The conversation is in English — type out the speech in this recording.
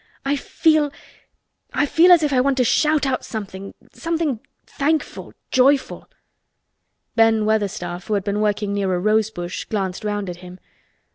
I feel—I feel as if I want to shout out something—something thankful, joyful!" Ben Weatherstaff, who had been working near a rose bush, glanced round at him.